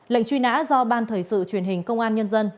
lệnh truy nã do ban thời sự truyền hình công an nhân dân